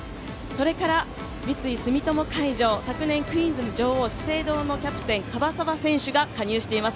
それから三井住友海上、昨年、クイーンズで女王、資生堂のキャプテン樺沢選手が加入しています。